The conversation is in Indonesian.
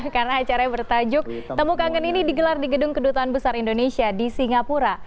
karena acaranya bertajuk temu kangen ini digelar di gedung kedutaan besar indonesia di singapura